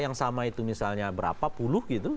yang sama itu misalnya berapa puluh gitu